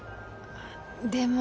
でも。